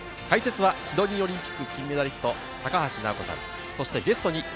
解説はシドニーオリンピック金メダリスト・高橋尚子さん、ゲストに